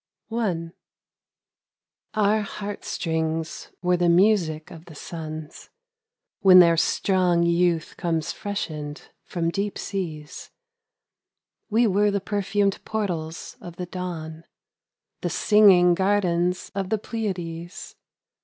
A LAMENTATION. OUR heart strings were the music of the suns When their strong youth comes freshened from deep seas ; We were the perfum'd portals of the dawn — The singing gardens of the Pleiades.